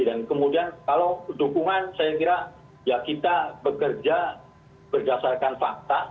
dan kemudian kalau dukungan saya kira ya kita bekerja berdasarkan fakta